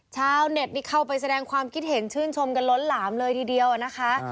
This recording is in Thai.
ชาวเน็ตนี่เข้าไปแสดงความคิดเห็นชื่นชมกันล้นหลามเลยทีเดียวนะคะ